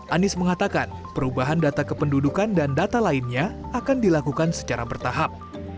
anies mengatakan perubahan data kependudukan dan data lainnya akan dilakukan secara bertahap